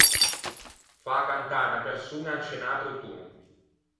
Fâ cantâ unna persoña in sce un atro ton.